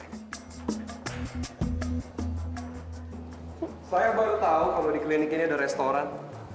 saya baru tahu kalau di klinik ini ada restoran